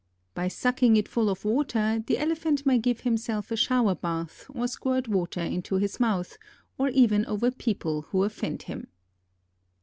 By sucking it full of water the Elephant may give himself a shower bath or squirt water into his mouth or even over people who offend him.